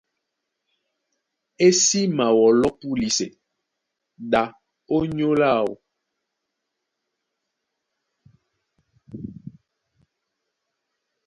E sí mawɔlɔ́ púlisɛ ɗá ónyólá áō.